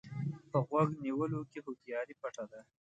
په غوږ نیولو کې هوښياري پټه ده.